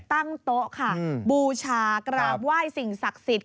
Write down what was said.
ตั้งโต๊ะค่ะบูชากราบไหว้สิ่งศักดิ์สิทธิ